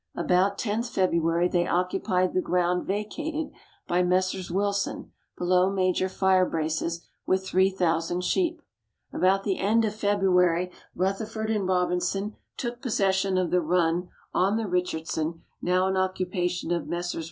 About 10th February they occupied the ground vacated by Messrs. Wilson, below Major Firebrace's, with 3,000 sheep. About the end of February Rutherford and Robinson took possession of the run (on the Richardson) now in occupation of Messrs.